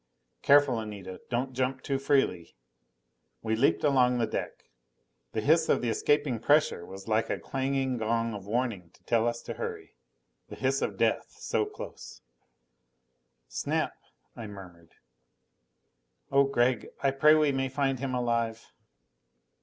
"Careful, Anita. Don't jump too freely." We leaped along the deck. The hiss of the escaping pressure was like a clanging gong of warning to tell us to hurry. The hiss of death so close! "Snap " I murmured. "Oh, Gregg, I pray we may find him alive!"